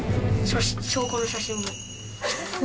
証拠の写真も。